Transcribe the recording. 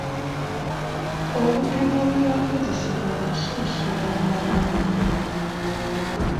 Olupimo olunaakozesebwa okusunsula mu bamanyi.